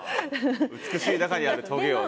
美しい中にあるトゲをね。